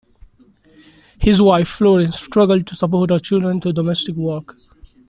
His wife Florence struggled to support her children through domestic work.